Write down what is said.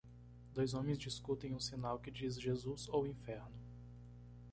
Dois homens discutem um sinal que diz Jesus ou Inferno.